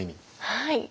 はい。